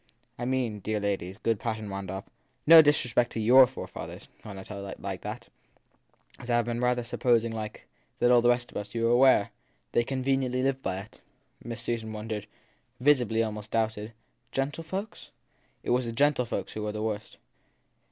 I mean, dear ladies/ good Mr. Patten wound up, no disrespect to your forefathers when I tell you that as I ve rather been suppos ing that, like all the rest of us, you were aware they conven iently lived by it. Miss Susan wondered visibly almost doubted. Gentle folks ? t It was the gentlefolks who were the worst.